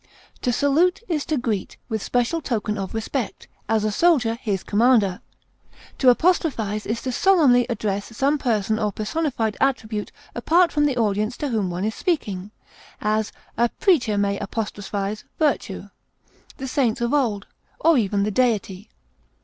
To salute is to greet with special token of respect, as a soldier his commander. To apostrophize is to solemnly address some person or personified attribute apart from the audience to whom one is speaking; as, a preacher may apostrophize virtue, the saints of old, or even the Deity.